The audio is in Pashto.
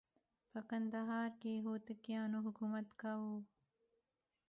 په کندهار کې هوتکیانو حکومت کاوه.